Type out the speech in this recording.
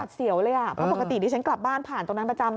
เสียวเลยอ่ะเพราะปกติดิฉันกลับบ้านผ่านตรงนั้นประจำ